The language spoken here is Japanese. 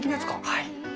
はい。